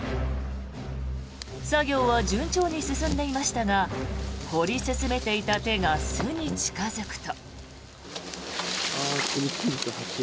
作業は順調に進んでいましたが掘り進めていた手が巣に近付くと。